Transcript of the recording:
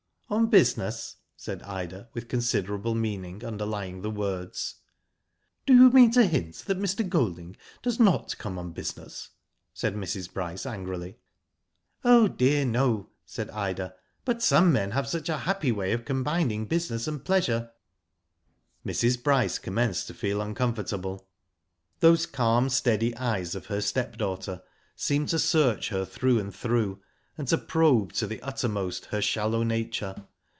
''On business?" said Ida, with considerable meaning underlying the words. Do you mean to hint that Mr. Golding does not come on business," said Mrs. Bryce, angrily. Oh, dear, no," said Ida; " but some men have such a happy way of combining business and pleasure.'* Mrs. Bryce commenced to feel uncomfortable. Those calm, steady eyes of her stepdaughter seemed to search her through and through, and to probe to the uttermost her shallow nature.